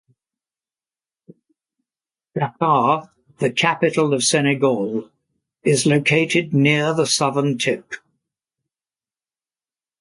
Dakar, the capital of Senegal, is located near the southern tip.